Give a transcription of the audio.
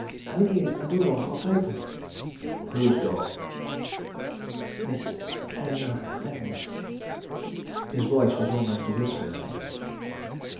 "Only a door half open." "Whose door?" "Miss Eleanore Leavenworth's." His voice was almost a whisper now.